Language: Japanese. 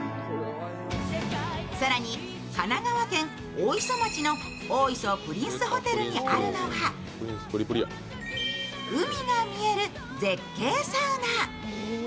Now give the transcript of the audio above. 更に、神奈川県大磯町の大磯プリンスホテルにあるのは海が見える絶景サウナ。